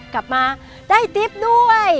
กลับมาได้ติ๊บด้วย